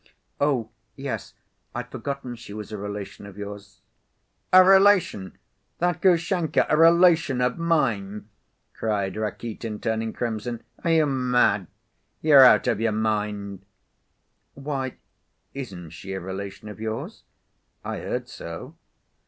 "Oh, yes, I'd forgotten she was a relation of yours." "A relation! That Grushenka a relation of mine!" cried Rakitin, turning crimson. "Are you mad? You're out of your mind!" "Why, isn't she a relation of yours? I heard so."